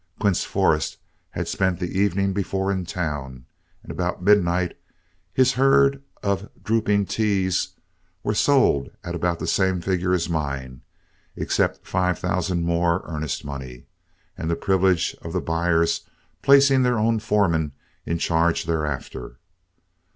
Quince Forrest had spent the evening before in town, and about midnight his herd of "Drooping T's" were sold at about the same figures as mine, except five thousand more earnest money, and the privilege of the buyers placing their own foreman in charge thereafter.